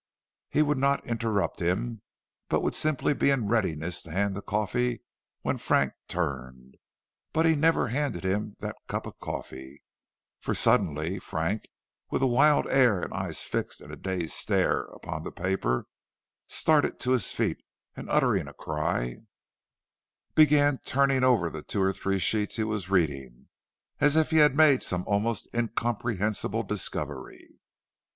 He would not interrupt him, but would simply be in readiness to hand the coffee when Frank turned. But he never handed him that cup of coffee, for suddenly, Frank, with a wild air and eyes fixed in a dazed stare upon the paper, started to his feet, and uttering a cry, began turning over the two or three sheets he was reading, as if he had made some almost incomprehensible discovery.